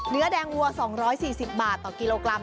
เนื้อแดงวัว๒๔๐บาทต่อกิโลกรัม